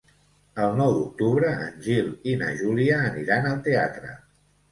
El nou d'octubre en Gil i na Júlia aniran al teatre.